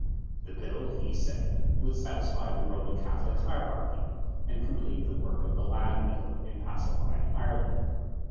The Bill, he said, would satisfy the Roman Catholic hierarchy, and complete the work of the Land Bill in pacifying Ireland.